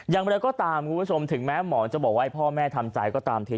อย่างไรก็ตามคุณผู้ชมถึงแม้หมอจะบอกว่าให้พ่อแม่ทำใจก็ตามที